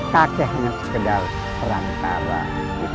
kakeknya sekedar perang tabah